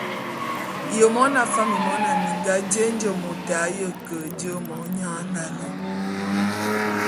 Ye mona fam ye mona minga, jé nje môt a ye ke je monyan nalé?